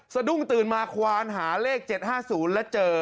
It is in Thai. สะดุ้งตื่นมาควานหาเลขเจ็ดห้าศูนย์แล้วเจอ